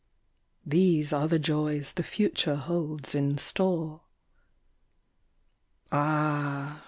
These are the joys the future holds in store. Ah!